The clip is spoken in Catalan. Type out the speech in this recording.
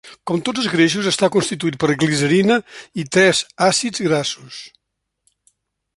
Com tots els greixos està constituït per glicerina i tres àcids grassos.